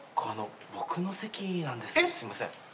僕の席なんですいません。